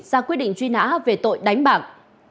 ra quyết định truy nã về tội đánh bạc